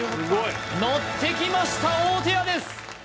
のってきました大戸屋です